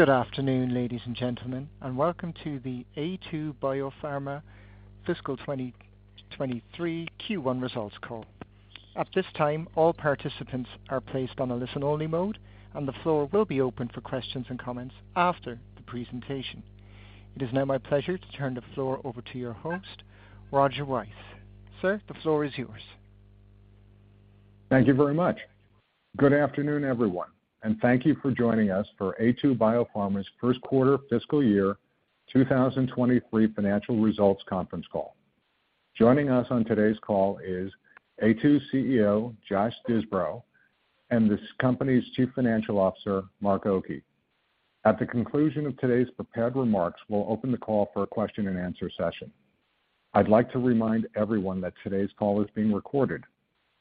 Good afternoon, ladies and gentlemen, and welcome to the Aytu BioPharma Fiscal 2023 Q1 Results Call. At this time, all participants are placed on a listen-only mode, and the floor will be open for questions and comments after the presentation. It is now my pleasure to turn the floor over to your host, Roger Weiss. Sir, the floor is yours. Thank you very much. Good afternoon, everyone, and thank you for joining us for Aytu BioPharma's First Quarter Fiscal Year 2023 Financial Results Conference Call. Joining us on today's call is Aytu CEO, Josh Disbrow, and this company's Chief Financial Officer, Mark Oki. At the conclusion of today's prepared remarks, we'll open the call for a question-and-answer session. I'd like to remind everyone that today's call is being recorded.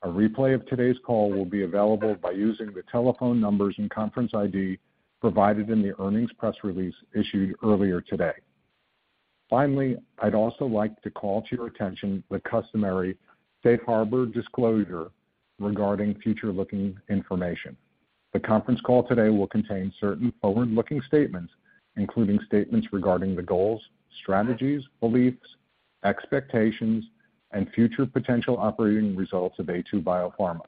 A replay of today's call will be available by using the telephone numbers and conference ID provided in the earnings press release issued earlier today. Finally, I'd also like to call to your attention the customary safe harbor disclosure regarding forward-looking information. The conference call today will contain certain forward-looking statements, including statements regarding the goals, strategies, beliefs, expectations, and future potential operating results of Aytu BioPharma.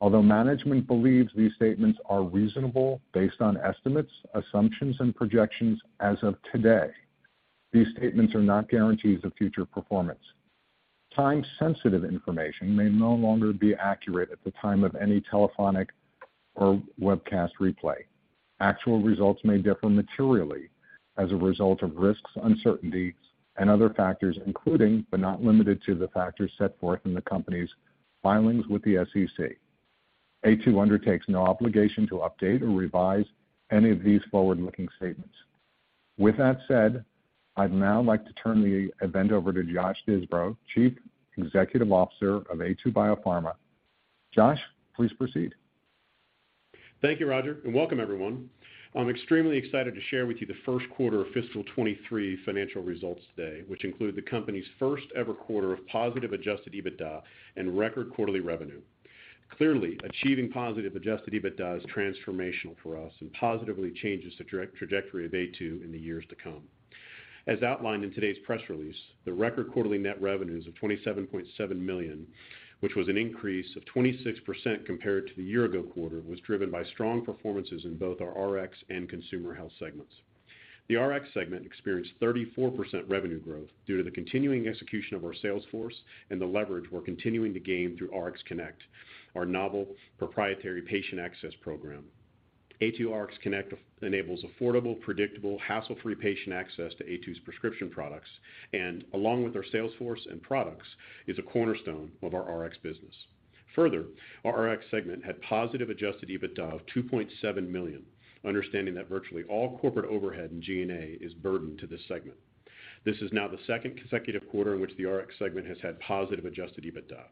Although management believes these statements are reasonable based on estimates, assumptions, and projections as of today, these statements are not guarantees of future performance. Time-sensitive information may no longer be accurate at the time of any telephonic or webcast replay. Actual results may differ materially as a result of risks, uncertainties, and other factors, including, but not limited to, the factors set forth in the company's filings with the SEC. Aytu undertakes no obligation to update or revise any of these forward-looking statements. With that said, I'd now like to turn the event over to Josh Disbrow, Chief Executive Officer of Aytu BioPharma. Josh, please proceed. Thank you, Roger, and welcome everyone. I'm extremely excited to share with you the first quarter of fiscal 2023 financial results today, which include the company's first-ever quarter of positive Adjusted EBITDA and record quarterly revenue. Clearly, achieving positive Adjusted EBITDA is transformational for us and positively changes the trajectory of Aytu in the years to come. As outlined in today's press release, the record quarterly net revenues of $27.7 million, which was an increase of 26% compared to the year ago quarter, was driven by strong performances in both our Rx and consumer health segments. The Rx segment experienced 34% revenue growth due to the continuing execution of our sales force and the leverage we're continuing to gain through RxConnect, our novel proprietary patient access program. Aytu RxConnect enables affordable, predictable, hassle-free patient access to Aytu's prescription products and, along with our sales force and products, is a cornerstone of our Rx business. Further, our Rx segment had positive Adjusted EBITDA of $2.7 million, understanding that virtually all corporate overhead in G&A is burdened to this segment. This is now the second consecutive quarter in which the Rx segment has had positive Adjusted EBITDA.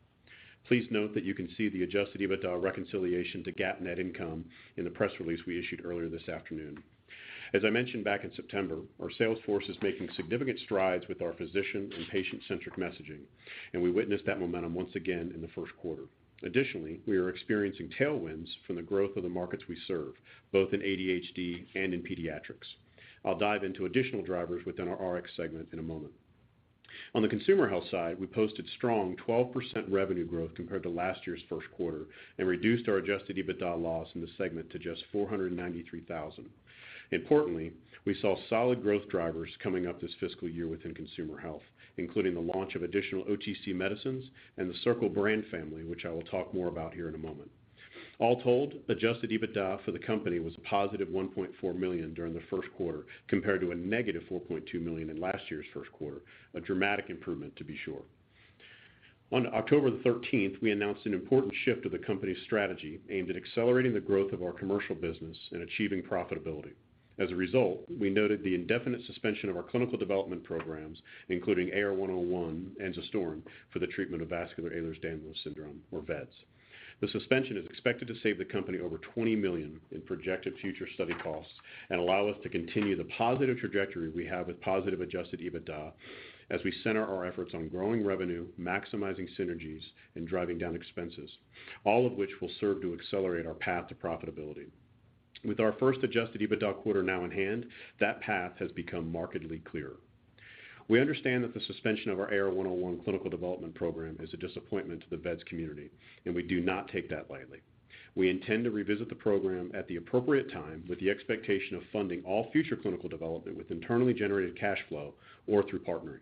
Please note that you can see the Adjusted EBITDA reconciliation to GAAP net income in the press release we issued earlier this afternoon. As I mentioned back in September, our sales force is making significant strides with our physician and patient-centric messaging, and we witnessed that momentum once again in the first quarter. Additionally, we are experiencing tailwinds from the growth of the markets we serve, both in ADHD and in pediatrics. I'll dive into additional drivers within our Rx segment in a moment. On the consumer health side, we posted strong 12% revenue growth compared to last year's first quarter and reduced our Adjusted EBITDA loss in the segment to just $493,000. Importantly, we saw solid growth drivers coming up this fiscal year within consumer health, including the launch of additional OTC medicines and the Circle Health,, which I will talk more about here in a moment. All told, Adjusted EBITDA for the company was a positive $1.4 million during the first quarter, compared to a $-4.2 million in last year's first quarter, a dramatic improvement to be sure. On October the thirteenth, we announced an important shift of the company's strategy aimed at accelerating the growth of our commercial business and achieving profitability. As a result, we noted the indefinite suspension of our clinical development programs, including AR101, Enzastaurin for the treatment of vascular Ehlers-Danlos syndrome or vEDS. The suspension is expected to save the company over $20 million in projected future study costs and allow us to continue the positive trajectory we have with positive Adjusted EBITDA as we center our efforts on growing revenue, maximizing synergies, and driving down expenses, all of which will serve to accelerate our path to profitability. With our first Adjusted EBITDA quarter now in hand, that path has become markedly clearer. We understand that the suspension of our AR101 clinical development program is a disappointment to the vEDS community, and we do not take that lightly. We intend to revisit the program at the appropriate time with the expectation of funding all future clinical development with internally generated cash flow or through partnering.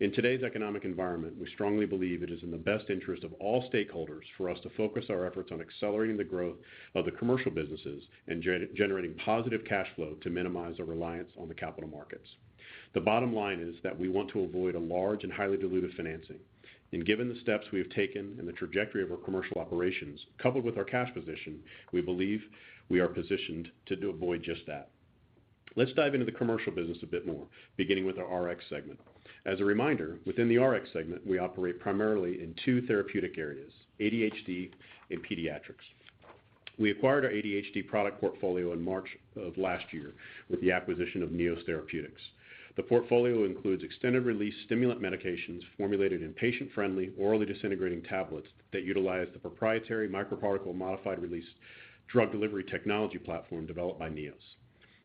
In today's economic environment, we strongly believe it is in the best interest of all stakeholders for us to focus our efforts on accelerating the growth of the commercial businesses and generating positive cash flow to minimize our reliance on the capital markets. The bottom line is that we want to avoid a large and highly dilutive financing. Given the steps we have taken and the trajectory of our commercial operations, coupled with our cash position, we believe we are positioned to avoid just that. Let's dive into the commercial business a bit more, beginning with our Rx segment. As a reminder, within the Rx segment, we operate primarily in two therapeutic areas, ADHD and pediatrics. We acquired our ADHD product portfolio in March of last year with the acquisition of Neos Therapeutics. The portfolio includes extended-release stimulant medications formulated in patient-friendly, orally disintegrating tablets that utilize the proprietary microparticle modified release drug delivery technology platform developed by Neos.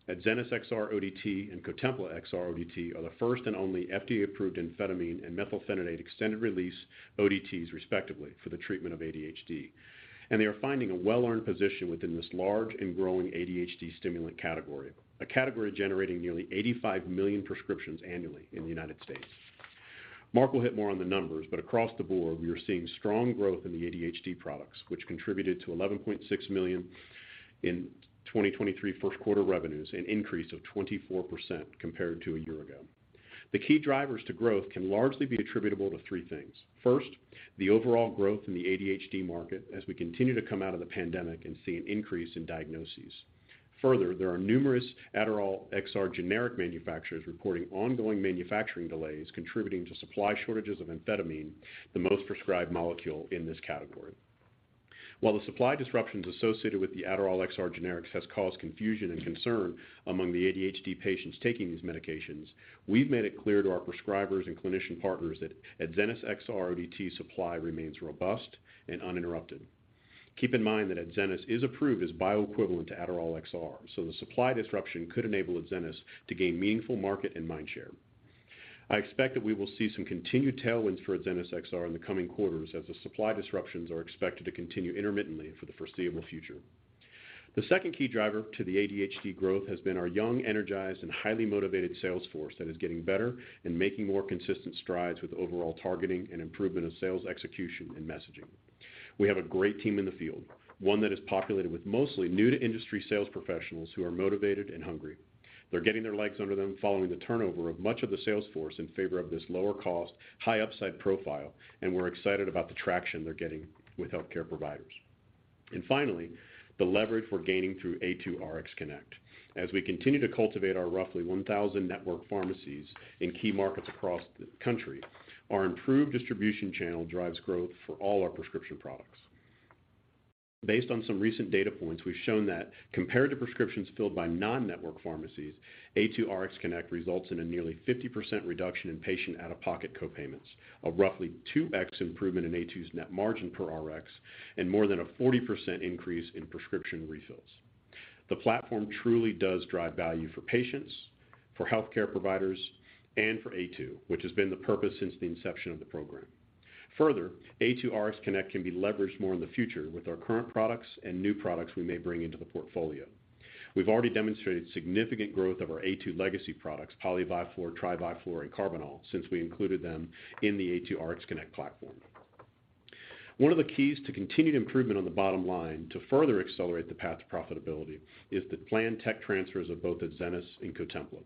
Adzenys XR-ODT and Cotempla XR-ODT are the first and only FDA-approved amphetamine and methylphenidate extended-release ODTs, respectively, for the treatment of ADHD. They are finding a well-earned position within this large and growing ADHD stimulant category, a category generating nearly 85 million prescriptions annually in the United States. Mark will hit more on the numbers, but across the board, we are seeing strong growth in the ADHD products, which contributed to $11.6 million in 2023 first quarter revenues, an increase of 24% compared to a year ago. The key drivers to growth can largely be attributable to three things. First, the overall growth in the ADHD market as we continue to come out of the pandemic and see an increase in diagnoses. Further, there are numerous Adderall XR generic manufacturers reporting ongoing manufacturing delays contributing to supply shortages of amphetamine, the most prescribed molecule in this category. While the supply disruptions associated with the Adderall XR generics has caused confusion and concern among the ADHD patients taking these medications, we've made it clear to our prescribers and clinician partners that Adzenys XR-ODT supply remains robust and uninterrupted. Keep in mind that Adzenys is approved as bioequivalent to Adderall XR, so the supply disruption could enable Adzenys to gain meaningful market and mind share. I expect that we will see some continued tailwinds for Adzenys XR in the coming quarters as the supply disruptions are expected to continue intermittently for the foreseeable future. The second key driver to the ADHD growth has been our young, energized and highly motivated sales force that is getting better and making more consistent strides with overall targeting and improvement of sales execution and messaging. We have a great team in the field, one that is populated with mostly new-to-industry sales professionals who are motivated and hungry. They're getting their legs under them following the turnover of much of the sales force in favor of this lower cost, high upside profile, and we're excited about the traction they're getting with healthcare providers. Finally, the leverage we're gaining through Aytu RxConnect. As we continue to cultivate our roughly 1,000 network pharmacies in key markets across the country, our improved distribution channel drives growth for all our prescription products. Based on some recent data points, we've shown that compared to prescriptions filled by non-network pharmacies, Aytu RxConnect results in a nearly 50% reduction in patient out-of-pocket co-payments, a roughly 2x improvement in Aytu's net margin per Rx, and more than a 40% increase in prescription refills. The platform truly does drive value for patients, for healthcare providers, and for Aytu, which has been the purpose since the inception of the program. Further, Aytu RxConnect can be leveraged more in the future with our current products and new products we may bring into the portfolio. We've already demonstrated significant growth of our Aytu legacy products, Poly-Vi-Flor, Tri-Vi-Flor, and Karbinal, since we included them in the Aytu RxConnect platform. One of the keys to continued improvement on the bottom line to further accelerate the path to profitability is the planned tech transfers of both Adzenys and Cotempla.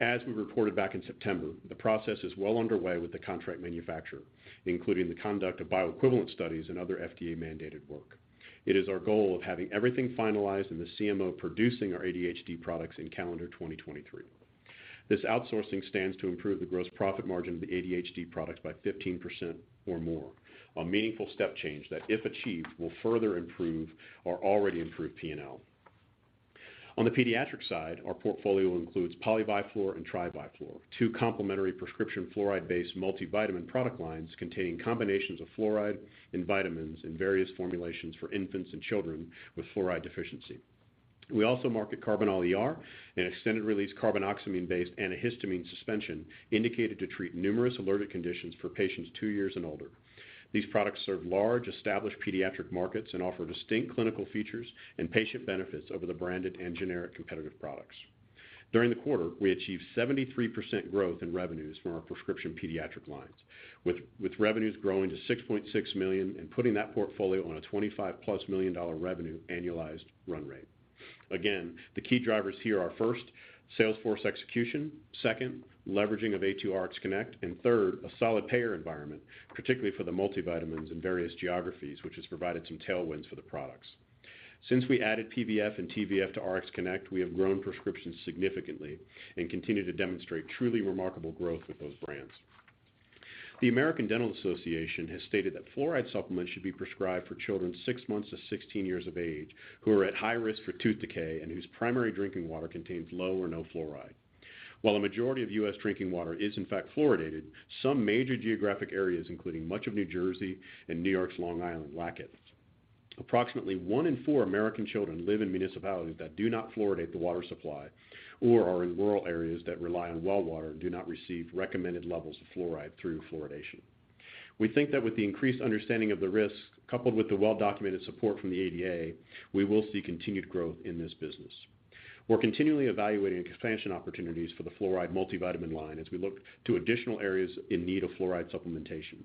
As we reported back in September, the process is well underway with the contract manufacturer, including the conduct of bioequivalent studies and other FDA-mandated work. It is our goal of having everything finalized and the CMO producing our ADHD products in calendar 2023. This outsourcing stands to improve the gross profit margin of the ADHD products by 15% or more, a meaningful step change that, if achieved, will further improve our already improved P&L. On the pediatric side, our portfolio includes Poly-Vi-Flor and Tri-Vi-Flor, two complementary prescription fluoride-based multivitamin product lines containing combinations of fluoride and vitamins in various formulations for infants and children with fluoride deficiency. We also market Karbinal ER, an extended-release carbinoxamine-based antihistamine suspension indicated to treat numerous allergic conditions for patients two years and older. These products serve large, established pediatric markets and offer distinct clinical features and patient benefits over the branded and generic competitive products. During the quarter, we achieved 73% growth in revenues from our prescription pediatric lines, with revenues growing to $6.6 million and putting that portfolio on a $25+ million dollar revenue annualized run rate. Again, the key drivers here are, first, sales force execution, second, leveraging of Aytu RxConnect, and third, a solid payer environment, particularly for the multivitamins in various geographies, which has provided some tailwinds for the products. Since we added PVF and TVF to RxConnect, we have grown prescriptions significantly and continue to demonstrate truly remarkable growth with those brands. The American Dental Association has stated that fluoride supplements should be prescribed for children six months to 16 years of age who are at high risk for tooth decay and whose primary drinking water contains low or no fluoride. While a majority of U.S. drinking water is in fact fluoridated, some major geographic areas, including much of New Jersey and New York's Long Island, lack it. Approximately one in four American children live in municipalities that do not fluoridate the water supply or are in rural areas that rely on well water and do not receive recommended levels of fluoride through fluoridation. We think that with the increased understanding of the risks, coupled with the well-documented support from the ADA, we will see continued growth in this business. We're continually evaluating expansion opportunities for the fluoride multivitamin line as we look to additional areas in need of fluoride supplementation.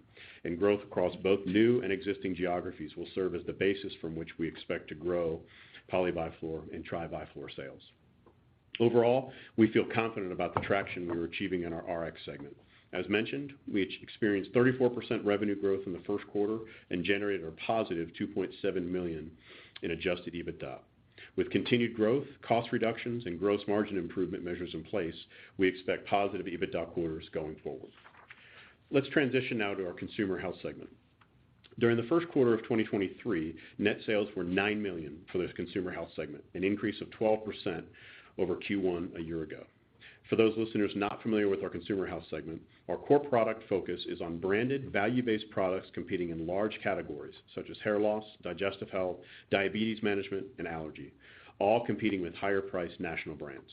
Growth across both new and existing geographies will serve as the basis from which we expect to grow Poly-Vi-Flor and Tri-Vi-Flor sales. Overall, we feel confident about the traction we are achieving in our Rx segment. As mentioned, we experienced 34% revenue growth in the first quarter and generated a positive $2.7 million in Adjusted EBITDA. With continued growth, cost reductions, and gross margin improvement measures in place, we expect positive EBITDA quarters going forward. Let's transition now to our consumer health segment. During the first quarter of 2023, net sales were $9 million for the consumer health segment, an increase of 12% over Q1 a year ago. For those listeners not familiar with our consumer health segment, our core product focus is on branded, value-based products competing in large categories such as hair loss, digestive health, diabetes management, and allergy, all competing with higher-priced national brands.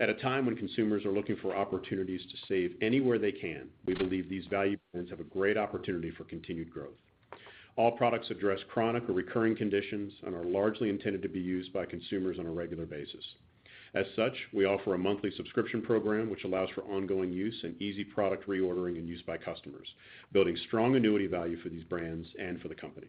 At a time when consumers are looking for opportunities to save anywhere they can, we believe these value brands have a great opportunity for continued growth. All products address chronic or recurring conditions and are largely intended to be used by consumers on a regular basis. As such, we offer a monthly subscription program which allows for ongoing use and easy product reordering and use by customers, building strong annuity value for these brands and for the company.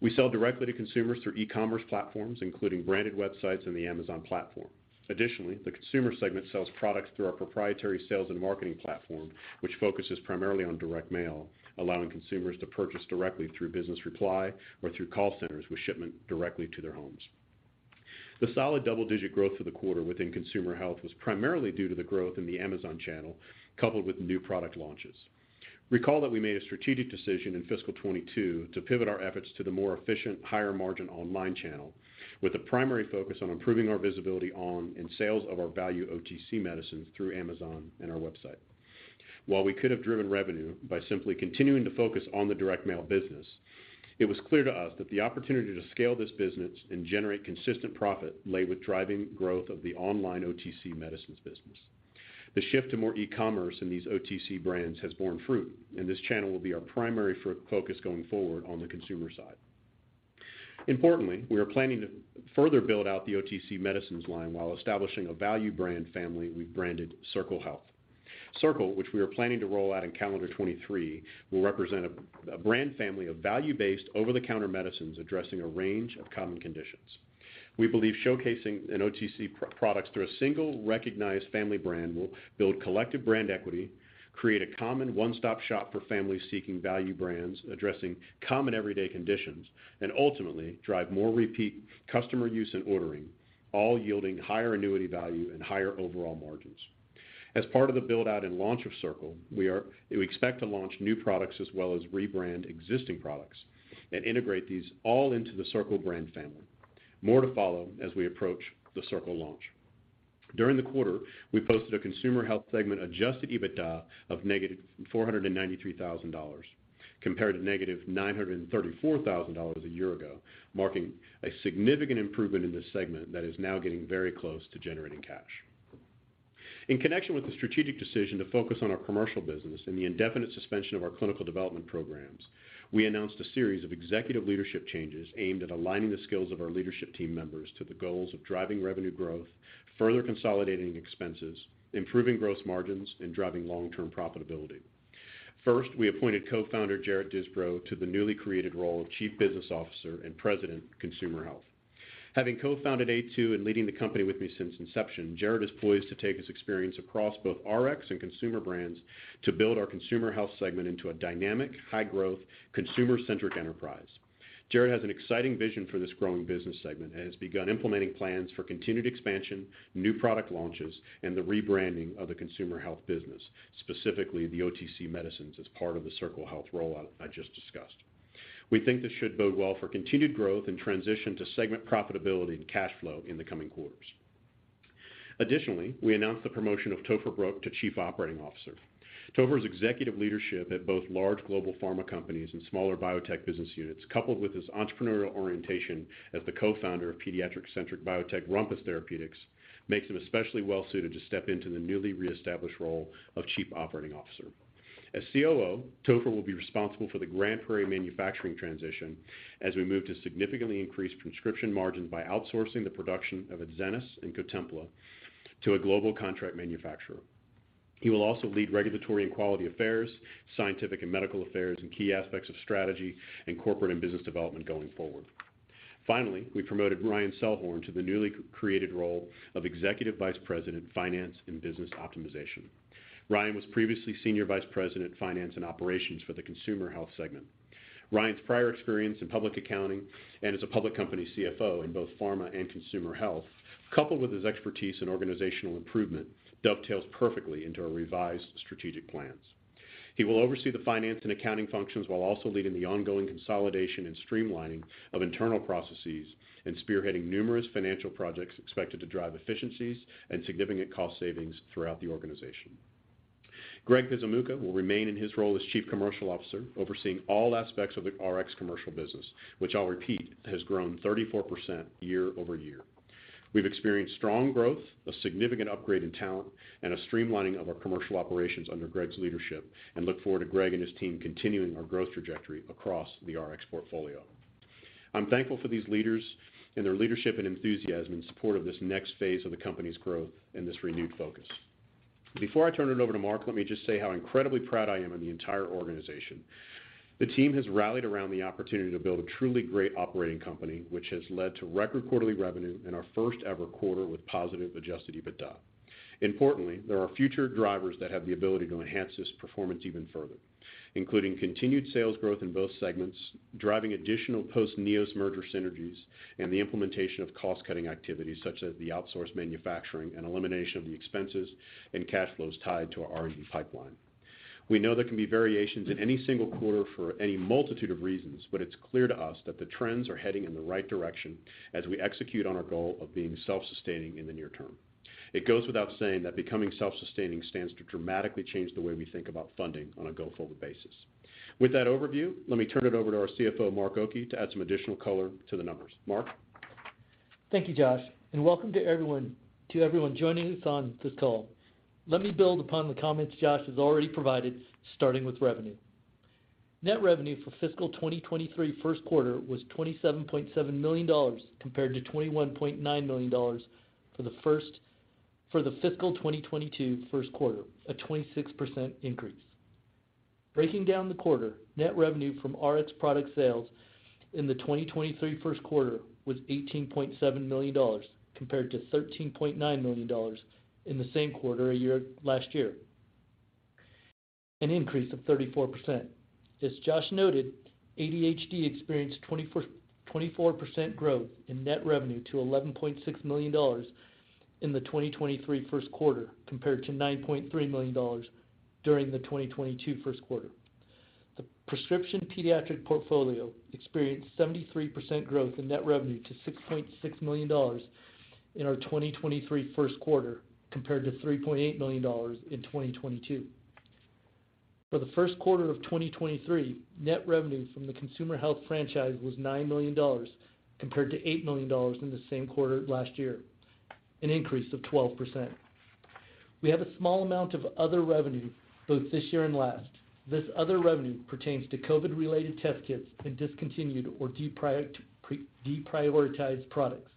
We sell directly to consumers through e-commerce platforms, including branded websites and the Amazon platform. Additionally, the consumer segment sells products through our proprietary sales and marketing platform, which focuses primarily on direct mail, allowing consumers to purchase directly through business reply or through call centers with shipment directly to their homes. The solid double-digit growth for the quarter within consumer health was primarily due to the growth in the Amazon channel, coupled with new product launches. Recall that we made a strategic decision in fiscal 2022 to pivot our efforts to the more efficient, higher margin online channel, with a primary focus on improving our visibility on and sales of our value OTC medicines through Amazon and our website. While we could have driven revenue by simply continuing to focus on the direct mail business, it was clear to us that the opportunity to scale this business and generate consistent profit lay with driving growth of the online OTC medicines business. The shift to more e-commerce in these OTC brands has borne fruit, and this channel will be our primary focus going forward on the consumer side. Importantly, we are planning to further build out the OTC medicines line while establishing a value brand family we've branded Circle Health. Circle, which we are planning to roll out in calendar 2023, will represent a brand family of value-based, over-the-counter medicines addressing a range of common conditions. We believe showcasing OTC products through a single recognized family brand will build collective brand equity, create a common one-stop shop for families seeking value brands addressing common everyday conditions, and ultimately drive more repeat customer use and ordering, all yielding higher annuity value and higher overall margins. As part of the build-out and launch of Circle, we expect to launch new products as well as rebrand existing products and integrate these all into the Circle brand family. More to follow as we approach the Circle launch. During the quarter, we posted a consumer health segment Adjusted EBITDA of -$493,000 compared to -$934,000 a year ago, marking a significant improvement in this segment that is now getting very close to generating cash. In connection with the strategic decision to focus on our commercial business and the indefinite suspension of our clinical development programs, we announced a series of executive leadership changes aimed at aligning the skills of our leadership team members to the goals of driving revenue growth, further consolidating expenses, improving gross margins, and driving long-term profitability. First, we appointed co-founder, Jarrett Disbrow, to the newly created role of Chief Business Officer and President, Consumer Health. Having co-founded Aytu and leading the company with me since inception, Jarrett Disbrow is poised to take his experience across both Rx and consumer brands to build our consumer health segment into a dynamic, high-growth, consumer-centric enterprise. Jarrett has an exciting vision for this growing business segment and has begun implementing plans for continued expansion, new product launches, and the rebranding of the consumer health business, specifically the OTC medicines as part of the Circle Health rollout I just discussed. We think this should bode well for continued growth and transition to segment profitability and cash flow in the coming quarters. Additionally, we announced the promotion of Topher Brooke to Chief Operating Officer. Topher's executive leadership at both large global pharma companies and smaller biotech business units, coupled with his entrepreneurial orientation as the co-founder of pediatric-centric biotech Rumpus Therapeutics, makes him especially well suited to step into the newly reestablished role of Chief Operating Officer. As COO, Topher will be responsible for the Grand Prairie manufacturing transition as we move to significantly increase prescription margins by outsourcing the production of Adzenys and Cotempla to a global contract manufacturer. He will also lead regulatory and quality affairs, scientific and medical affairs, and key aspects of strategy and corporate and business development going forward. Finally, we promoted Ryan Selhorn to the newly created role of Executive Vice President, Finance and Business Optimization. Ryan was previously Senior Vice President, Finance and Operations for the consumer health segment. Ryan's prior experience in public accounting and as a public company CFO in both pharma and consumer health, coupled with his expertise in organizational improvement, dovetails perfectly into our revised strategic plans. He will oversee the finance and accounting functions while also leading the ongoing consolidation and streamlining of internal processes and spearheading numerous financial projects expected to drive efficiencies and significant cost savings throughout the organization. Greg Pyszczymuka will remain in his role as Chief Commercial Officer, overseeing all aspects of the Rx commercial business, which I'll repeat, has grown 34% year-over-year. We've experienced strong growth, a significant upgrade in talent, and a streamlining of our commercial operations under Greg's leadership and look forward to Greg and his team continuing our growth trajectory across the Rx portfolio. I'm thankful for these leaders and their leadership and enthusiasm and support of this next phase of the company's growth and this renewed focus. Before I turn it over to Mark, let me just say how incredibly proud I am of the entire organization. The team has rallied around the opportunity to build a truly great operating company, which has led to record quarterly revenue and our first-ever quarter with positive Adjusted EBITDA. Importantly, there are future drivers that have the ability to enhance this performance even further, including continued sales growth in both segments, driving additional post Neos merger synergies, and the implementation of cost-cutting activities such as the outsourced manufacturing and elimination of the expenses and cash flows tied to our R&D pipeline. We know there can be variations in any single quarter for any multitude of reasons, but it's clear to us that the trends are heading in the right direction as we execute on our goal of being self-sustaining in the near term. It goes without saying that becoming self-sustaining stands to dramatically change the way we think about funding on a go-forward basis. With that overview, let me turn it over to our CFO, Mark Oki, to add some additional color to the numbers. Mark? Thank you, Josh, and welcome to everyone joining us on this call. Let me build upon the comments Josh has already provided, starting with revenue. Net revenue for fiscal 2023 first quarter was $27.7 million compared to $21.9 million for the fiscal 2022 first quarter, a 26% increase. Breaking down the quarter, net revenue from RX product sales in the 2023 first quarter was $18.7 million, compared to $13.9 million in the same quarter a year last year, an increase of 34%. As Josh noted, ADHD experienced 24% growth in net revenue to $11.6 million in the 2023 first quarter, compared to $9.3 million during the 2022 first quarter. The prescription pediatric portfolio experienced 73% growth in net revenue to $6.6 million in our 2023 first quarter, compared to $3.8 million in 2022. For the first quarter of 2023, net revenue from the consumer health franchise was $9 million, compared to $8 million in the same quarter last year, an increase of 12%. We have a small amount of other revenue both this year and last. This other revenue pertains to COVID-related test kits and discontinued or deprioritized products.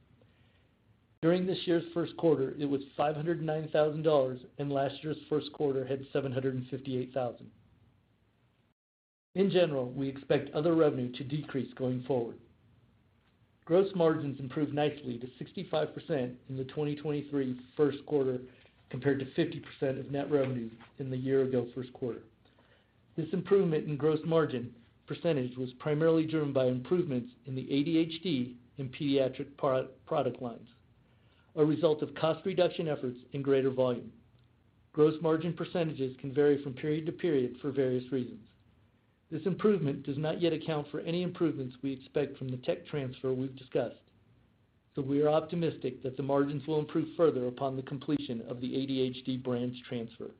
During this year's first quarter, it was $509,000, and last year's first quarter had $758,000. In general, we expect other revenue to decrease going forward. Gross margins improved nicely to 65% in the 2023 first quarter, compared to 50% of net revenue in the year ago first quarter. This improvement in gross margin percentage was primarily driven by improvements in the ADHD and pediatric product lines, a result of cost reduction efforts and greater volume. Gross margin percentages can vary from period to period for various reasons. This improvement does not yet account for any improvements we expect from the tech transfer we've discussed, but we are optimistic that the margins will improve further upon the completion of the ADHD brands transfer.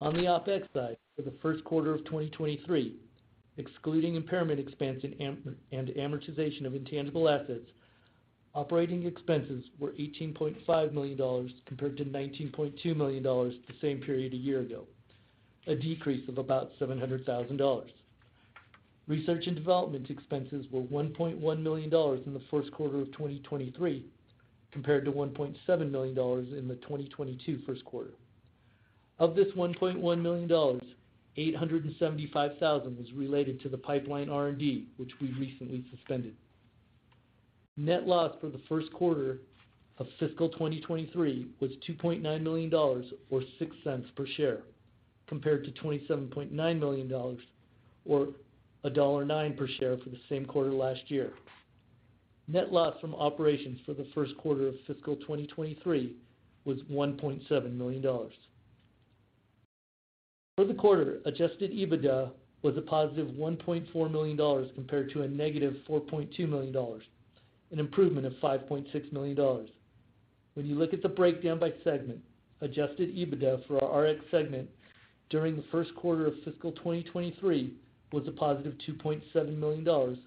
On the OpEx side, for the first quarter of 2023, excluding impairment expense and amortization of intangible assets, operating expenses were $18.5 million, compared to $19.2 million the same period a year ago, a decrease of about $700,000. Research and development expenses were $1.1 million in the first quarter of 2023, compared to $1.7 million in the 2022 first quarter. Of this $1.1 million, $875,000 was related to the pipeline R&D, which we've recently suspended. Net loss for the first quarter of fiscal 2023 was $2.9 million or $0.06 per share, compared to $27.9 million or $1.09 per share for the same quarter last year. Net loss from operations for the first quarter of fiscal 2023 was $1.7 million. For the quarter, Adjusted EBITDA was a positive $1.4 million compared to a -$4.2 million, an improvement of $5.6 million. When you look at the breakdown by segment, Adjusted EBITDA for our RX segment during the first quarter of fiscal 2023 was a +$2.7 million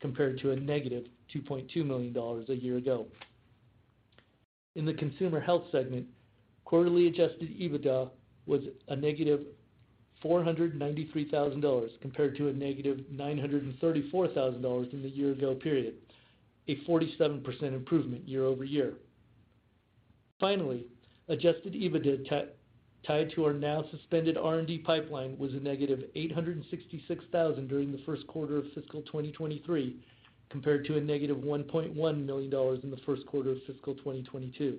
compared to a -$2.2 million a year ago. In the consumer health segment, quarterly Adjusted EBITDA was a -$493,000 compared to a -$934,000 in the year ago period, a 47% improvement year-over-year. Finally, Adjusted EBITDA tied to our now suspended R&D pipeline was a -$866,000 during the first quarter of fiscal 2023, compared to a -$1.1 million in the first quarter of fiscal 2022.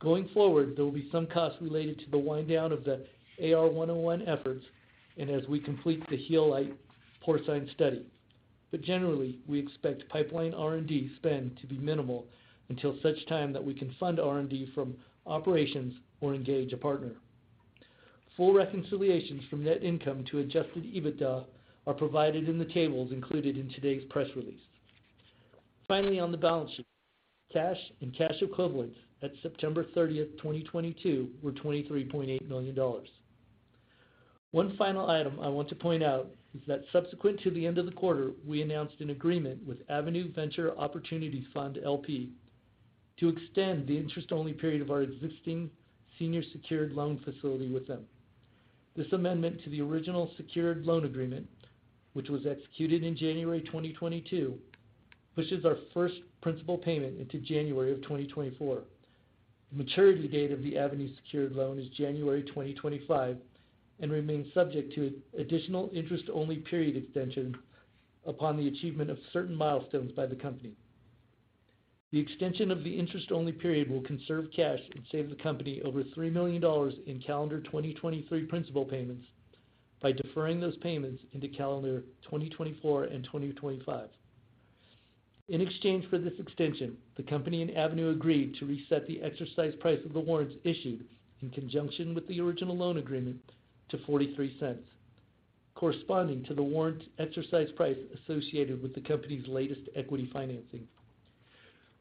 Going forward, there will be some costs related to the wind down of the AR101 efforts and as we complete the Healight porcine study. Generally, we expect pipeline R&D spend to be minimal until such time that we can fund R&D from operations or engage a partner. Full reconciliations from net income to Adjusted EBITDA are provided in the tables included in today's press release. Finally, on the balance sheet, cash and cash equivalents at September 30, 2022 were $23.8 million. One final item I want to point out is that subsequent to the end of the quarter, we announced an agreement with Avenue Venture Opportunities Fund, L.P. to extend the interest-only period of our existing senior secured loan facility with them. This amendment to the original secured loan agreement, which was executed in January 2022, pushes our first principal payment into January 2024. The maturity date of the Avenue secured loan is January 2025 and remains subject to additional interest-only period extension upon the achievement of certain milestones by the company. The extension of the interest-only period will conserve cash and save the company over $3 million in calendar 2023 principal payments by deferring those payments into calendar 2024 and 2025. In exchange for this extension, the company and Avenue agreed to reset the exercise price of the warrants issued in conjunction with the original loan agreement to $0.43, corresponding to the warrant exercise price associated with the company's latest equity financing.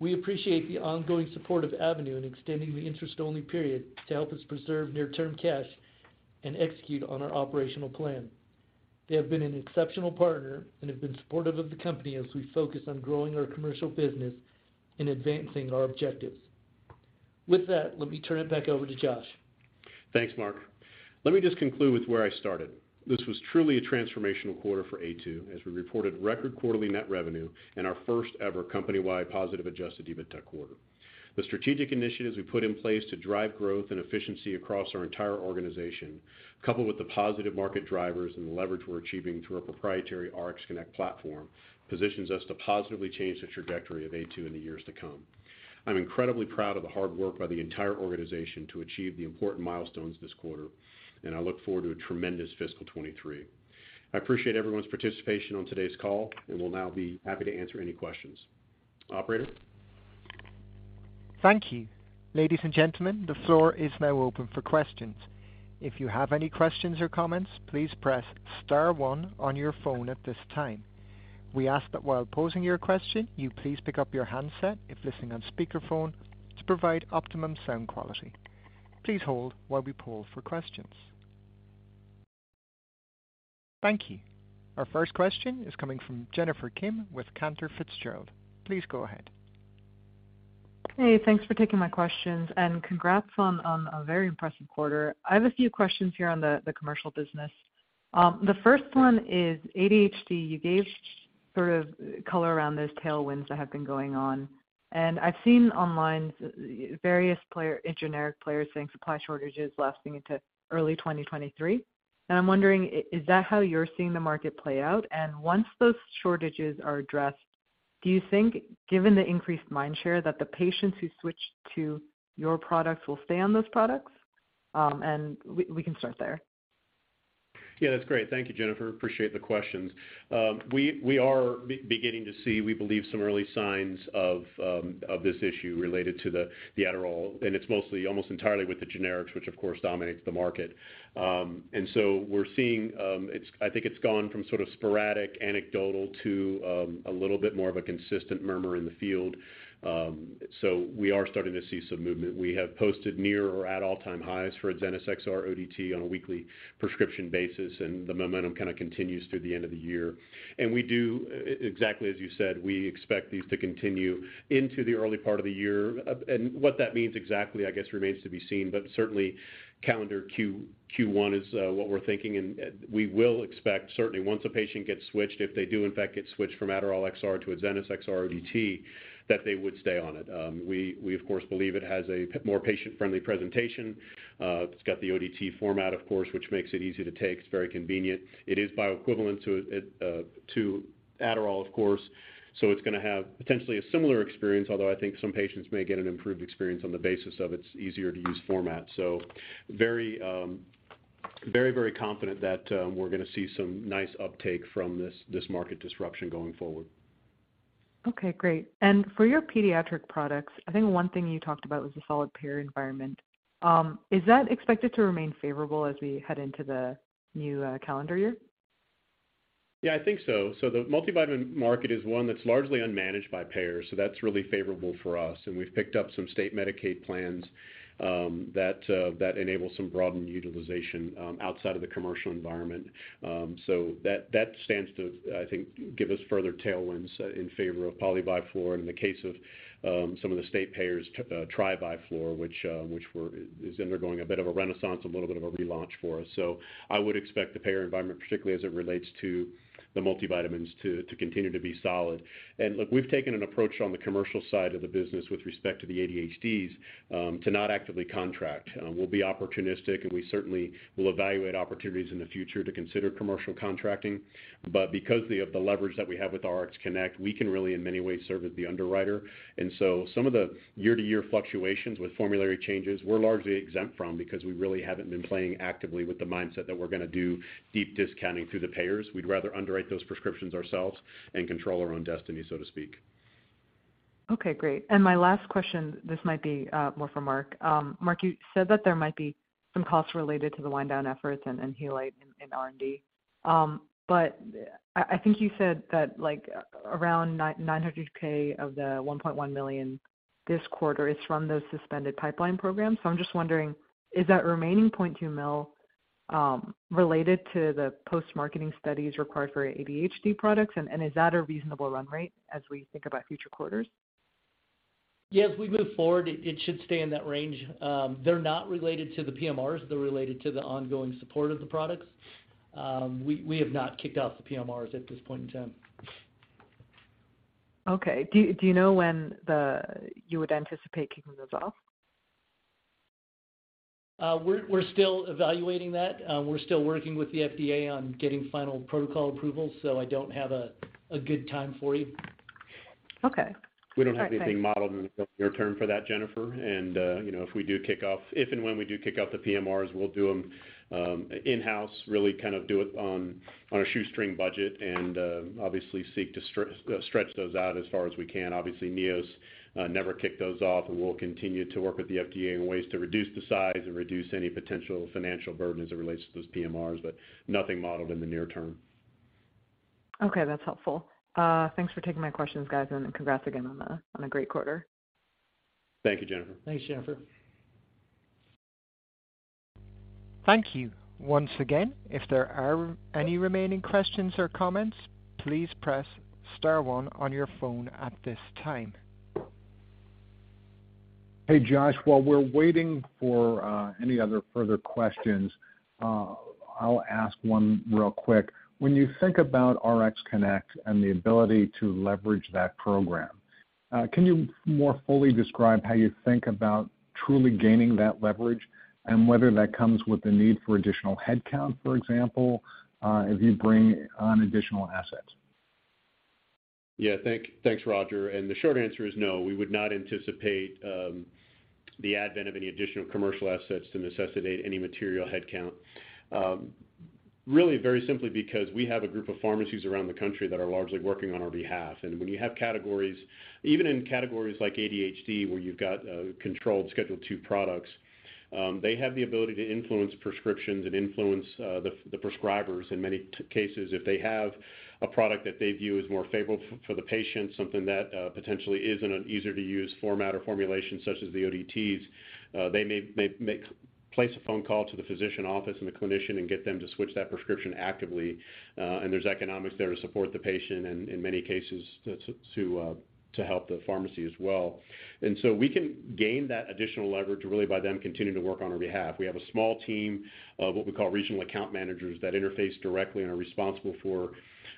We appreciate the ongoing support of Avenue in extending the interest-only period to help us preserve near-term cash and execute on our operational plan. They have been an exceptional partner and have been supportive of the company as we focus on growing our commercial business and advancing our objectives. With that, let me turn it back over to Josh. Thanks, Mark. Let me just conclude with where I started. This was truly a transformational quarter for Aytu as we reported record quarterly net revenue and our first-ever company-wide positive Adjusted EBITDA quarter. The strategic initiatives we put in place to drive growth and efficiency across our entire organization, coupled with the positive market drivers and the leverage we're achieving through our proprietary RxConnect platform, positions us to positively change the trajectory of Aytu in the years to come. I'm incredibly proud of the hard work by the entire organization to achieve the important milestones this quarter, and I look forward to a tremendous fiscal 2023. I appreciate everyone's participation on today's call and will now be happy to answer any questions. Operator? Thank you. Ladies and gentlemen, the floor is now open for questions. If you have any questions or comments, please press star one on your phone at this time. We ask that while posing your question, you please pick up your handset if listening on speakerphone to provide optimum sound quality. Please hold while we poll for questions. Thank you. Our first question is coming from Jennifer Kim with Cantor Fitzgerald. Please go ahead. Hey, thanks for taking my questions and congrats on a very impressive quarter. I have a few questions here on the commercial business. The first one is ADHD. You gave sort of color around those tailwinds that have been going on, and I've seen online various generic players saying supply shortages lasting into early 2023. I'm wondering, is that how you're seeing the market play out? And once those shortages are addressed, do you think given the increased mind share that the patients who switch to your products will stay on those products? We can start there. Yeah, that's great. Thank you, Jennifer. Appreciate the questions. We are beginning to see, we believe some early signs of this issue related to the Adderall, and it's mostly almost entirely with the generics, which of course dominates the market. We're seeing. It's gone from sort of sporadic anecdotal to a little bit more of a consistent murmur in the field. We are starting to see some movement. We have posted near or at all-time highs for Adzenys XR-ODT on a weekly prescription basis, and the momentum kind of continues through the end of the year. We do, exactly as you said, we expect these to continue into the early part of the year. What that means exactly, I guess, remains to be seen, but certainly calendar Q1 is what we're thinking, and we will expect certainly once a patient gets switched, if they do in fact get switched from Adderall XR to Adzenys XR-ODT, that they would stay on it. We of course believe it has more patient-friendly presentation. It's got the ODT format of course, which makes it easy to take. It's very convenient. It is bioequivalent to Adderall of course, so it's gonna have potentially a similar experience, although I think some patients may get an improved experience on the basis of its easier to use format. Very confident that we're gonna see some nice uptake from this market disruption going forward. Okay, great. For your pediatric products, I think one thing you talked about was the solid payer environment. Is that expected to remain favorable as we head into the new calendar year? Yeah, I think so. The multivitamin market is one that's largely unmanaged by payers, so that's really favorable for us. We've picked up some state Medicaid plans that enable some broadened utilization outside of the commercial environment. That stands to, I think, give us further tailwinds in favor of Poly-Vi-Flor in the case of some of the state payers, Tri-Vi-Flor, which is undergoing a bit of a renaissance, a little bit of a relaunch for us. I would expect the payer environment, particularly as it relates to the multivitamins, to continue to be solid. Look, we've taken an approach on the commercial side of the business with respect to the ADHDs to not actively contract. We'll be opportunistic, and we certainly will evaluate opportunities in the future to consider commercial contracting. Because of the leverage that we have with RxConnect, we can really in many ways serve as the underwriter. Some of the year-to-year fluctuations with formulary changes we're largely exempt from because we really haven't been playing actively with the mindset that we're gonna do deep discounting through the payers. We'd rather underwrite those prescriptions ourselves and control our own destiny, so to speak. Okay, great. My last question, this might be more for Mark. Mark, you said that there might be some costs related to the wind down efforts and Healight in R&D. But I think you said that like around 900K of the $1.1 million this quarter is from the suspended pipeline program. So I'm just wondering, is that remaining $0.2 million related to the post-marketing studies required for ADHD products? And is that a reasonable run rate as we think about future quarters? Yeah, as we move forward, it should stay in that range. They're not related to the PMRs. They're related to the ongoing support of the products. We have not kicked off the PMRs at this point in time. Okay. Do you know when you would anticipate kicking those off? We're still evaluating that. We're still working with the FDA on getting final protocol approval, so I don't have a good time for you. Okay. That's fine. We don't have anything modeled in the near term for that, Jennifer. You know, if and when we do kick off the PMRs, we'll do 'em in-house, really kind of do it on a shoestring budget and obviously seek to stretch those out as far as we can. Obviously, Neos never kicked those off, and we'll continue to work with the FDA in ways to reduce the size and reduce any potential financial burden as it relates to those PMRs, but nothing modeled in the near term. Okay, that's helpful. Thanks for taking my questions, guys, and congrats again on a great quarter. Thank you, Jennifer. Thanks, Jennifer. Thank you. Once again, if there are any remaining questions or comments, please press star one on your phone at this time. Hey, Josh, while we're waiting for any other further questions, I'll ask one real quick. When you think about RxConnect and the ability to leverage that program, can you more fully describe how you think about truly gaining that leverage and whether that comes with the need for additional headcount, for example, as you bring on additional assets? Yeah, thanks, Roger. The short answer is no, we would not anticipate the advent of any additional commercial assets to necessitate any material headcount. Really very simply because we have a group of pharmacies around the country that are largely working on our behalf. When you have categories, even in categories like ADHD, where you've got controlled Schedule II products, they have the ability to influence prescriptions and influence the prescribers in many cases. If they have a product that they view as more favorable for the patient, something that potentially is in an easier-to-use format or formulation such as the ODTs, they may place a phone call to the physician office and the clinician and get them to switch that prescription actively. There's economics there to support the patient and in many cases to help the pharmacy as well. We can gain that additional leverage really by them continuing to work on our behalf. We have a small team of what we call regional account managers that interface directly and are responsible for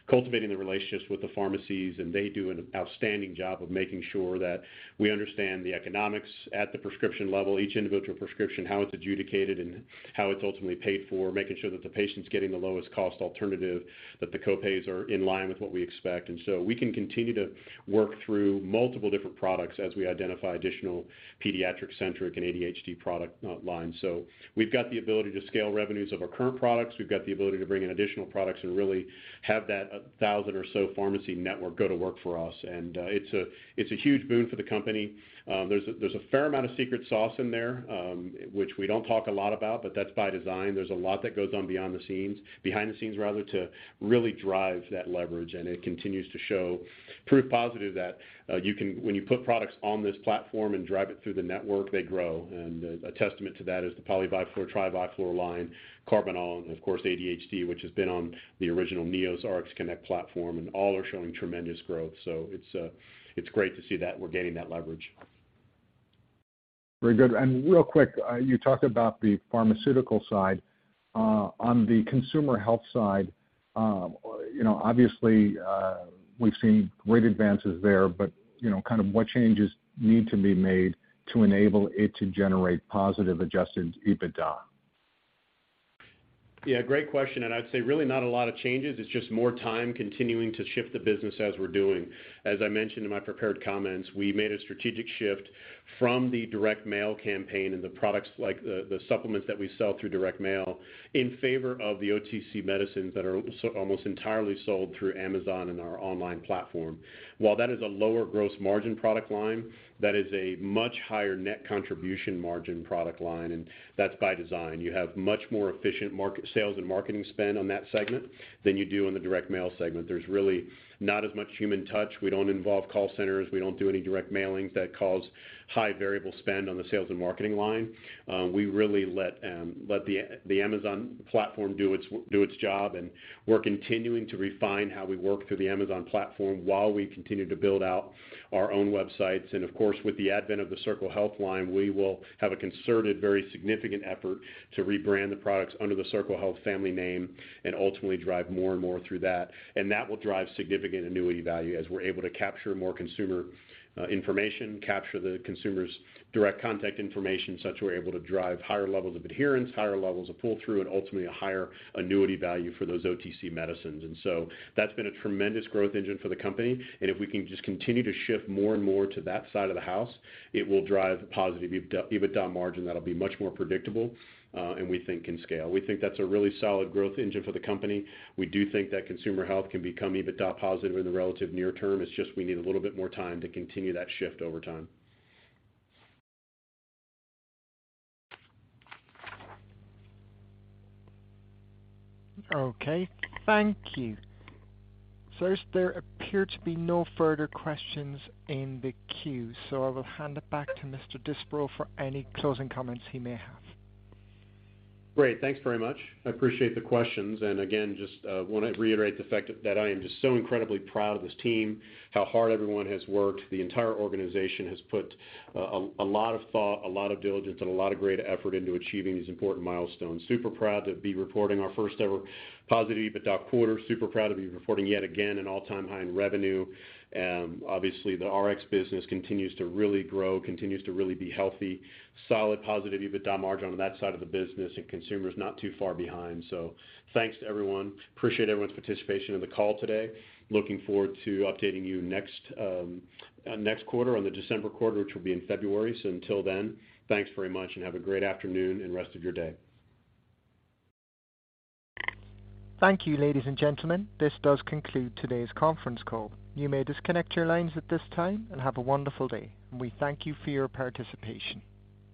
cultivating the relationships with the pharmacies, and they do an outstanding job of making sure that we understand the economics at the prescription level, each individual prescription, how it's adjudicated, and how it's ultimately paid for, making sure that the patient's getting the lowest cost alternative, that the co-pays are in line with what we expect. We can continue to work through multiple different products as we identify additional pediatric-centric and ADHD product lines. We've got the ability to scale revenues of our current products. We've got the ability to bring in additional products and really have that 1,000 or so pharmacy network go to work for us. It's a huge boon for the company. There's a fair amount of secret sauce in there, which we don't talk a lot about, but that's by design. There's a lot that goes on behind the scenes to really drive that leverage. It continues to show proof positive that you can when you put products on this platform and drive it through the network, they grow. A testament to that is the Poly-Vi-Flor, Tri-Vi-Flor line, Karbinal, and of course, ADHD, which has been on the original Neos RxConnect platform, and all are showing tremendous growth. It's great to see that we're gaining that leverage. Very good. Real quick, you talked about the pharmaceutical side. On the consumer health side, you know, obviously, we've seen great advances there, but, you know, kind of what changes need to be made to enable it to generate positive Adjusted EBITDA? Yeah, great question. I'd say really not a lot of changes. It's just more time continuing to shift the business as we're doing. As I mentioned in my prepared comments, we made a strategic shift from the direct mail campaign and the products like the supplements that we sell through direct mail in favor of the OTC medicines that are almost entirely sold through Amazon and our online platform. While that is a lower gross margin product line, that is a much higher net contribution margin product line, and that's by design. You have much more efficient marketing sales and marketing spend on that segment than you do in the direct mail segment. There's really not as much human touch. We don't involve call centers. We don't do any direct mailings that cause high variable spend on the sales and marketing line. We really let the Amazon platform do its job, and we're continuing to refine how we work through the Amazon platform while we continue to build out our own websites. Of course, with the advent of the Circle Health line, we will have a concerted, very significant effort to rebrand the products under the Circle Health family name and ultimately drive more and more through that. That will drive significant annuity value as we're able to capture more consumer information, capture the consumer's direct contact information such that we're able to drive higher levels of adherence, higher levels of pull-through, and ultimately a higher annuity value for those OTC medicines. That's been a tremendous growth engine for the company. If we can just continue to shift more and more to that side of the house, it will drive positive EBITDA margin that'll be much more predictable, and we think can scale. We think that's a really solid growth engine for the company. We do think that consumer health can become EBITDA positive in the relative near term. It's just we need a little bit more time to continue that shift over time. Okay. Thank you. As there appear to be no further questions in the queue, so I will hand it back to Mr. Disbrow for any closing comments he may have. Great. Thanks very much. I appreciate the questions. Again, just wanna reiterate the fact that I am just so incredibly proud of this team, how hard everyone has worked. The entire organization has put a lot of thought, a lot of diligence, and a lot of great effort into achieving these important milestones. Super proud to be reporting our first-ever positive EBITDA quarter. Super proud to be reporting yet again an all-time high in revenue. Obviously, the Rx business continues to really grow, continues to really be healthy. Solid positive EBITDA margin on that side of the business, and consumer's not too far behind. Thanks to everyone. Appreciate everyone's participation in the call today. Looking forward to updating you next quarter on the December quarter, which will be in February. Until then, thanks very much and have a great afternoon and rest of your day. Thank you, ladies and gentlemen. This does conclude today's conference call. You may disconnect your lines at this time and have a wonderful day. We thank you for your participation.